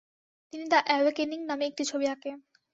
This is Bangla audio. তিনি দ্য অ্যাওয়েকেনিং নামে একটি ছবি আঁকেন।